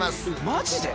マジで？